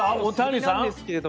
大谷さん。